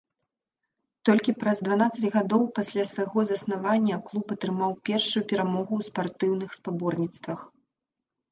Толькі праз дванаццаць гадоў пасля свайго заснавання клуб атрымаў першую перамогу ў спартыўных спаборніцтвах.